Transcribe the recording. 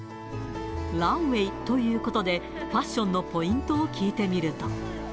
ランウエーということで、ファッションのポイントを聞いてみると。